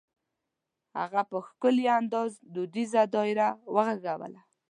هغه په ښکلي انداز دودیزه دایره وغږوله.